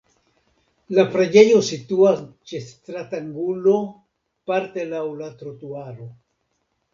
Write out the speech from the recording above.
La preĝejo situas ĉe stratangulo parte laŭ la trotuaro.